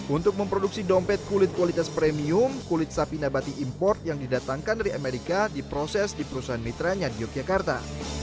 untuk memproduksi dompet kulit kualitas premium kulit sapi nabati import yang didatangkan dari amerika diproses di perusahaan mitranya di yogyakarta